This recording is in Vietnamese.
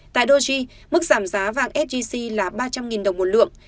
tại doji mức giảm giá vàng sgc là ba trăm linh đồng một lượng